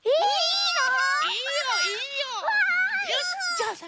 よしじゃあさ